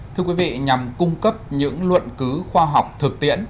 thưa quý vị nhằm cung cấp những luận cứu khoa học thực tiễn